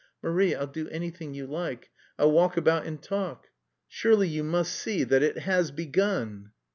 "Marie, I'll do anything you like.... I'll walk about and talk...." "Surely you must see that it has begun!"